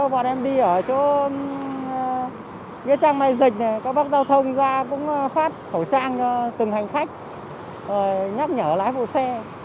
bọn em đi ở chỗ nghĩa trang mai dịch này các bác giao thông ra cũng phát khẩu trang từng hành khách nhắc nhở lái vụ xe